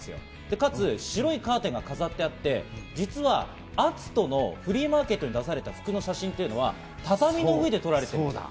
かつ、白いカーテンが飾ってあって、篤斗のフリーマーケットに出された服の写真ていうのは畳の上で撮られてる。